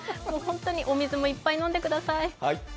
お水もいっぱい飲んでください。